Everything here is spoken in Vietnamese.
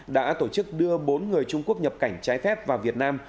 đã tổ chức đưa bốn người trung quốc nhập cảnh trái phép vào việt nam